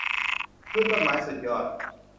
ขึ้นต้นไม้สุดยอด